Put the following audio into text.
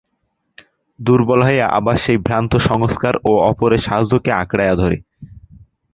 দুর্বল হইয়া আবার সেই ভ্রান্ত সংস্কার ও অপরের সাহায্যকেই আঁকড়াইয়া ধরি।